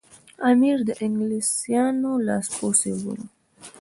امیر د انګلیسیانو لاس پوڅی باله.